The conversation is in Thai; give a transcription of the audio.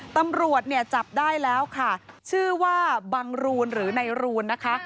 ตำรวจเนี่ยจับได้แล้วค่ะชื่อว่าบังรูนหรือในรูนนะคะ